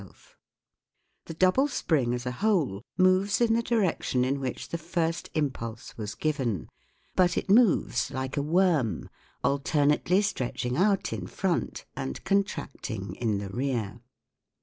60 THE WORLD OF SOUND The double spring as a whole moves in the direc tion in which the first impulse was given ; but it moves like a worm, alternately stretching out in front and contracting in the rear.